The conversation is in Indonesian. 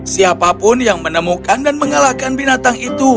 siapa pun yang menemukan dan mengalahkan binatang itu